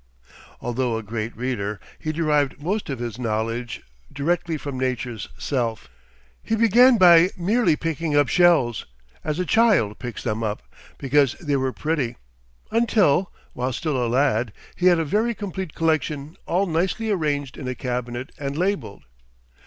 Although a great reader, he derived most of his knowledge directly from nature's self. He began by merely picking up shells, as a child picks them up, because they were pretty; until, while still a lad, he had a very complete collection all nicely arranged in a cabinet and labeled.